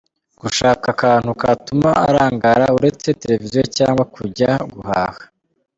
Gushaka akantu katuma arangara uretse televiziyo cyangwa kujya guhaha.